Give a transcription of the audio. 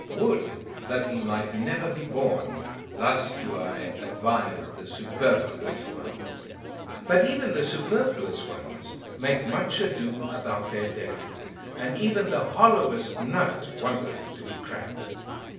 Would that he might never be born! Thus do I advise the superfluous ones. But even the superfluous ones make much ado about their death, and even the hollowest nut wanteth to be cracked.